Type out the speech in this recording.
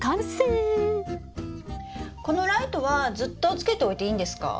このライトはずっとつけておいていいんですか？